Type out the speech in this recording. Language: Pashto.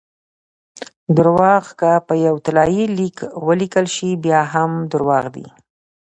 درواغ که په یو طلايي لیک ولیکل سي؛ بیا هم درواغ دي!